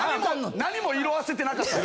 何も色あせてなかった。